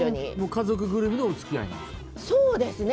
家族ぐるみのお付き合いなんですか。